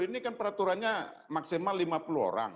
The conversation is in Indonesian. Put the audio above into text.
ini kan peraturannya maksimal lima puluh orang